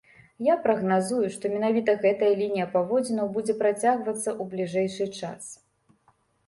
Я прагназую, што менавіта гэтая лінія паводзінаў будзе працягвацца ў бліжэйшы час.